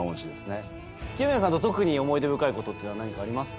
清宮さんと特に思い出深いことっていうのは何かありますか？